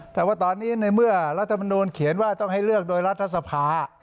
แต่ว่าตอนนี้ในเมื่อรัฐมนูลเขียนว่าต้องให้เลือกโดยรัฐสภา